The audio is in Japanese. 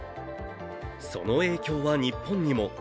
その影響は日本にも。